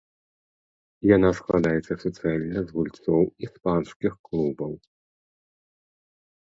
Яна складаецца суцэльна з гульцоў іспанскіх клубаў!